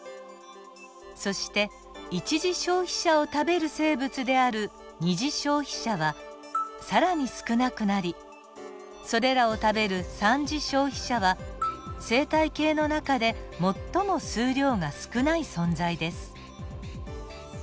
そして一次消費者を食べる生物である二次消費者は更に少なくなりそれらを食べる三次消費者は生態系の中で最も数量が少ない存在です。